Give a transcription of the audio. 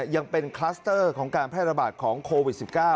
ยังเป็นคลัสเตอร์ของการแพร่ระบาดของโควิด๑๙